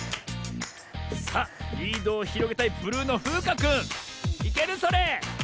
さあリードをひろげたいブルーのふうかくんいけるそれ？